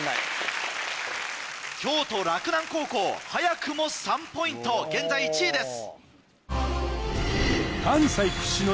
京都洛南高校早くも３ポイント現在１位です。